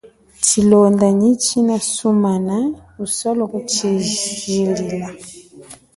Tshilonda nyi tshina sumana usolo kutshijilila.